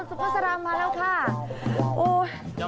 สวัสดีค่ะดูก่อนรถหนาวกับเราซุปเปอร์สารามมาแล้วค่ะ